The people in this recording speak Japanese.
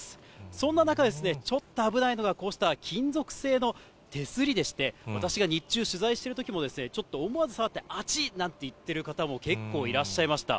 そんな中、ちょっと危ないのが、こうした金属製の手すりでして、私が日中取材しているときも、ちょっと思わず触って、あちっなんて言ってる方も結構いらっしゃいました。